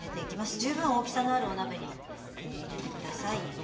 十分大きさのあるお鍋に入れて下さい。